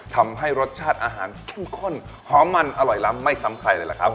ทำให้รสชาติอาหารเข้มข้นหอมมันอร่อยล้ำไม่ซ้ำใครเลยล่ะครับ